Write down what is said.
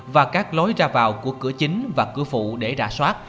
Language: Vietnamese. và các lối ra vào của cửa chính và cửa phụ để rà soát